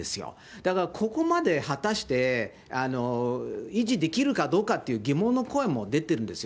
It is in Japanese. だから、ここまで果たして維持できるかどうかっていう疑問の声も出てるんですよ。